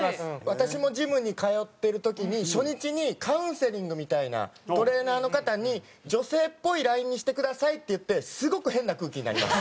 私もジムに通ってる時に初日にカウンセリングみたいなトレーナーの方に女性っぽいラインにしてくださいって言ってすごく変な空気になります。